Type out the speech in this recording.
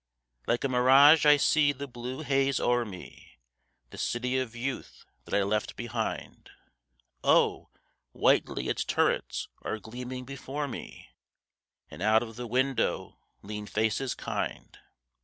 Like a mirage I see the blue haze o'er me, The City of Youth that I left behind. Oh! whitely its turrets are gleaming before me, And out of the window lean faces kind.